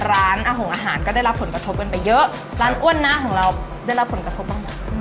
ร้านอาหารก็ได้รับผลกระทบกันไปเยอะร้านอ้วนนะของเราได้รับผลกระทบบ้างไหม